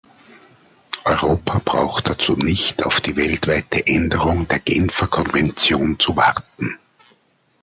Europa braucht dazu nicht auf die weltweite Änderung der Genfer Konvention zu warten.